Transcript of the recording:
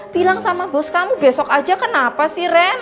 bilang sama bos kamu besok aja kenapa sih ren